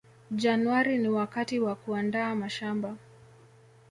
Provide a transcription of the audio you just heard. januari ni wakati wa kuandaa mashamba